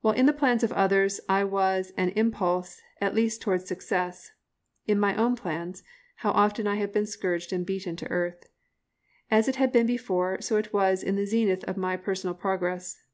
While in the plans of others I was an impulse at least towards success, in my own plans, how often I have been scourged and beaten to earth. As it had been before, so it was in this zenith of my personal progress.